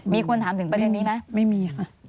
มีคนถามถึงประเด็นนี้ไหมไม่มีค่ะ